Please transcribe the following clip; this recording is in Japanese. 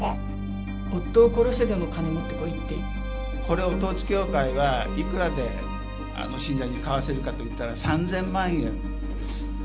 夫を殺してでも金持ってこいこれを統一教会がいくらで信者に買わせるかといったら、３０００万円です。